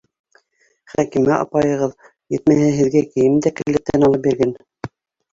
Хәкимә апайығыҙ, етмәһә һеҙгә кейем дә келәттән алып биргән.